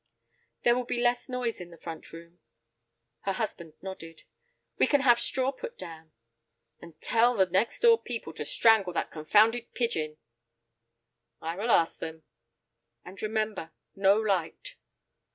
"There will be less noise in the front room." Her husband nodded. "We can have straw put down." "And tell the next door people to strangle that confounded pigeon." "I will ask them." "And remember, no light."